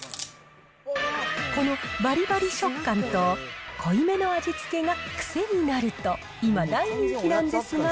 このバリバリ食感と濃いめの味付けが癖になると、今、大人気なんですが。